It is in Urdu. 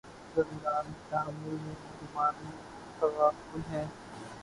زندانِ تحمل میں مہمانِ تغافل ہیں